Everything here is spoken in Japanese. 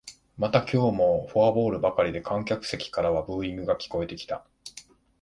また今日も四球ばかりで観客席からはブーイングが聞こえてきた